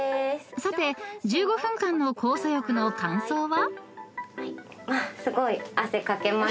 ［さて１５分間の酵素浴の感想は？］